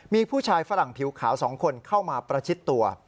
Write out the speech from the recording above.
มีผู้ชายฝรั่งผิวขาว๒คนเข้ามาประชิดตัว